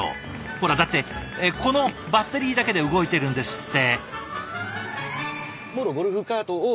ほらだってこのバッテリーだけで動いてるんですって。